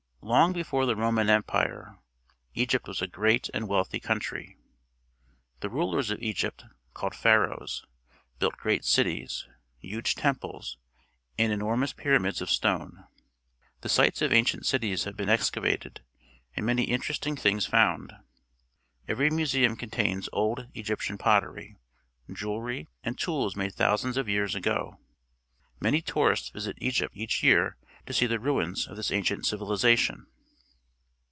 Long before the Roman Empire, Egypt was a great and wealthy country. The rul ers of Egypt, called Pharaohs, built great cities, huge temples, and enormous pyramids of stone. The sites of ancient cities have been excavated and many interesting things found. Every museum contains old Egyp tian pottery, jewellery, and tools made thou sands of years ago. ISIany tourists sasit Egypt ever}' year to see the ruins of this ancient civilization.